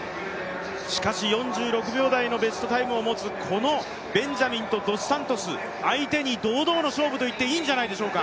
しかし、４６秒台のベストタイムを持つこのベンジャミンとドスサントス相手に堂々と勝負といってもいいんじゃないでしょうか。